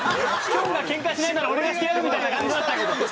きょんがケンカしないなら俺がしてやるみたいな感じだったけど。